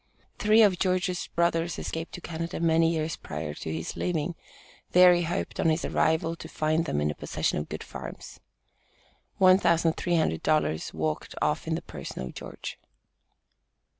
Three of George's brothers escaped to Canada many years prior to his leaving there he hoped on his arrival to find them in the possession of good farms. $1,300 walked off in the person of George.